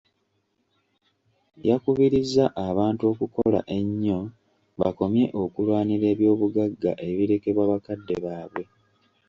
Yakubirizza abantu okukola ennyo bakomye okulwanira eby'obugagga ebirekebwa bakadde baabwe.